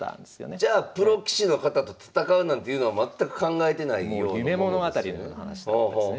じゃあプロ棋士の方と戦うなんていうのは全く考えてないようなものですよね。